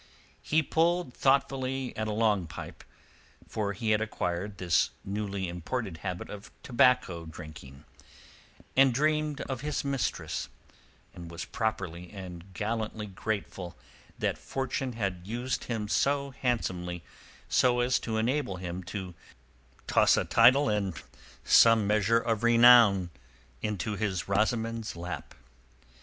He pulled thoughtfully at a long pipe—for he had acquired this newly imported habit of tobacco drinking—and dreamed of his mistress, and was properly and gallantly grateful that fortune had used him so handsomely as to enable him to toss a title and some measure of renown into his Rosamund's lap.